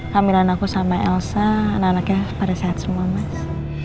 hamilan aku sama elsa anak anaknya pada sehat semua mas